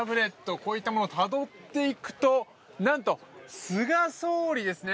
こういったものをたどっていくとなんと、菅総理ですね。